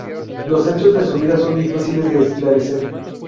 Los hechos de su vida son difíciles de esclarecer.